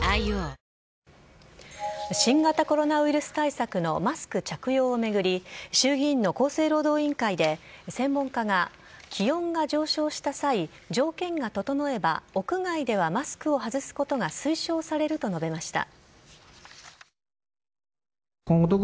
新型コロナウイルス対策のマスク着用を巡り衆議院の厚生労働委員会で専門家が気温が上昇した際条件が整えば屋外ではマスクを外すことが推奨されると述べました。